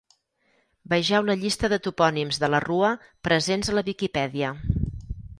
Vegeu la llista de Topònims de la Rua presents a la Viquipèdia.